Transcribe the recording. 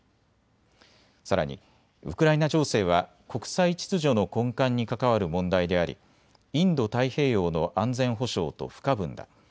さらにウクライナ情勢は国際秩序の根幹に関わる問題でありインド太平洋の安全保障と不可分だ。